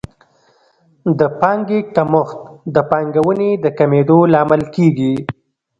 د پانګې کمښت د پانګونې د کمېدو لامل کیږي.